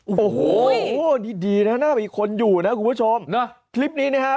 โอ้โหโดยโดยดีดีนะนะไว้คนอยู่นะคุณผู้ชมนะคลิปนี้นะฮะ